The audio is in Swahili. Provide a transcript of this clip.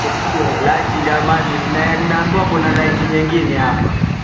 Kwa wakati ule majogoo yalikuwa yameshaanza kuwika